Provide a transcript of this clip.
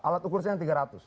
alat ukur saya yang tiga ratus